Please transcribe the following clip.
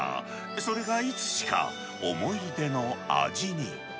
それがいつしか、思い出の味に。